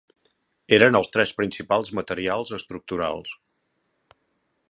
Eren els tres principals materials estructurals.